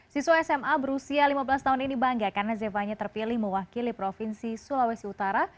siswa sma berusia lima belas tahun ini bangga karena zevanya terpilih mewakili provinsi sulawesi utara